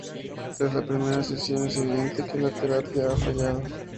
Tras la primera sesión es evidente que la terapia ha fallado.